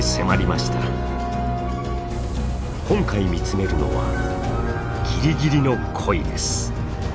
今回見つめるのはギリギリの恋です。